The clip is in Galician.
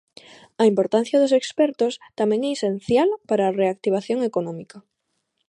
A importancia dos expertos tamén é esencial para a reactivación económica.